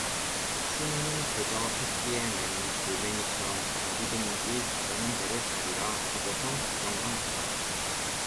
춘우는 그저 새끼에 맨 돌멩이처럼 어디든지 가자는 대로 가리라 하고서 구경만 한다.